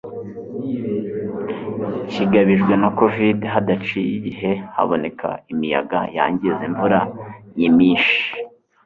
kigabijwe na covid- hadaciye igihe haboneka imiyaga yangiza, imvura nyimshi